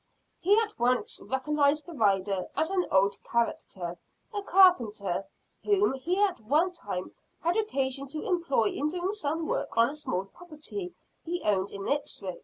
He at once recognized the rider as an odd character, a carpenter, whom he at one time had occasion to employ in doing some work on a small property he owned in Ipswich.